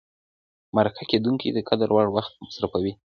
مرکه کېدونکی د قدر وړ وخت مصرفوي.